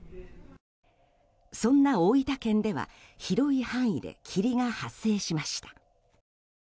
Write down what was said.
そんな大分県では広い範囲で霧が発生しました。